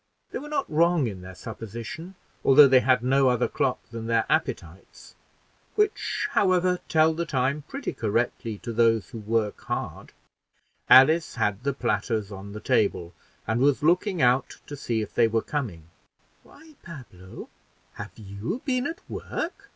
They were not wrong in their supposition, although they had no other clock than their appetites, which, however, tell the time pretty correctly to those who work hard. Alice had the platters on the table, and was looking out to see if they were coming. "Why, Pablo, have you been at work?"